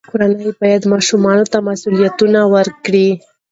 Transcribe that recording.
کورنۍ باید ماشوم ته مسوولیت ورکړي.